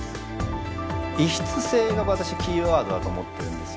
異質性が私キーワードだと思ってるんですよね。